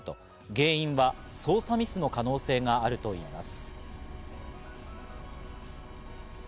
原因は操作ミスの可能性があるといいます。